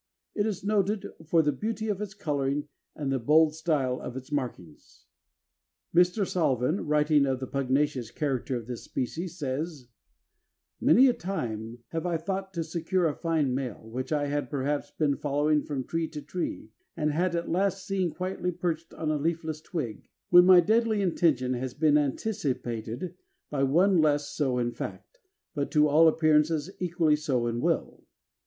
It is noted "for the beauty of its coloring and the bold style of its markings." Mr. Salvin, writing of the pugnacious character of this species, says: "Many a time have I thought to secure a fine male, which I had, perhaps, been following from tree to tree, and had at last seen quietly perched on a leafless twig, when my deadly intention has been anticipated by one less so in fact, but to all appearances equally so in will.